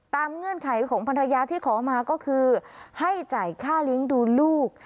เงื่อนไขของภรรยาที่ขอมาก็คือให้จ่ายค่าเลี้ยงดูลูก